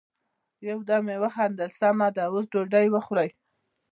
يو دم يې وخندل: سمه ده، اوس ډوډی وخورئ!